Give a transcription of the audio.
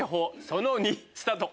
その２スタート！